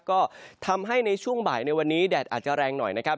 ก็ทำให้ในช่วงบ่ายในวันนี้แดดอาจจะแรงหน่อยนะครับ